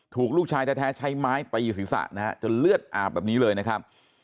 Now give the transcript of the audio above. ถูกลูกชายแท้ใช้ไม้ตีศีรษะนะฮะจนเลือดอาบแบบนี้เลยนะครับ